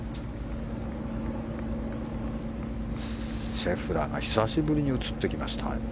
シェフラーが久しぶりに映ってきました。